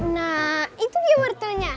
nah itu dia wortelnya